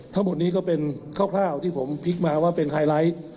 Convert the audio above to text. ทั้งหมดนี้ก็เป็นคร่าวที่ผมพลิกมาว่าเป็นไฮไลท์